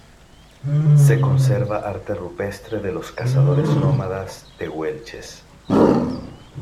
Se conserva arte rupestre de los cazadores nómadas tehuelches.